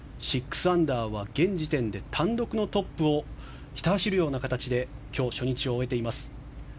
６アンダーは現時点で単独のトップをひた走るような形で今日、初日を終えています。